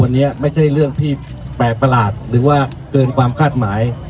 วันนี้ไม่ใช่เรื่องที่แปลกประหลาดหรือว่าเกินความคาดหมาย